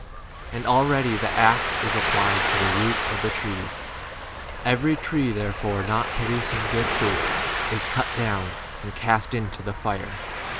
10 And i already the axe is applied to r the root of the trees ; every tree therefore not producing good fruit is cut down and cast into 11 [the] fire.